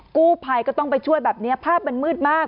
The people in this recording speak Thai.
กู้ภัยก็ต้องไปช่วยแบบนี้ภาพมันมืดมาก